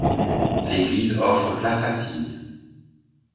L'église offre places assises.